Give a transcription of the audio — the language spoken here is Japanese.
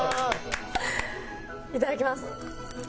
いただきます。